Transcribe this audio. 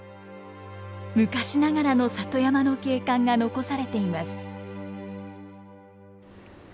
昔ながらの里山の景観が残されています。